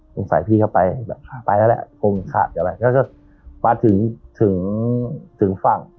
สงสัยพี่เขาไปแบบภายละแหละก็ก็ปาถึงถึงถึงฟั่ง